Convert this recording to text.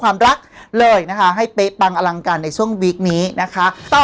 ความรักเลยนะคะให้เป๊ะปังอลังการในช่วงวีคนี้นะคะ